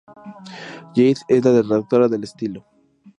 Jade es la Redactora de Estilo.